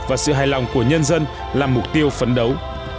và sự hài lòng của nhân dân là mục tiêu phấn đấu